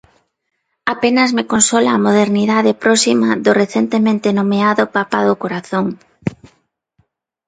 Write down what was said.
Apenas me consola a modernidade próxima do recentemente nomeado Papa do corazón.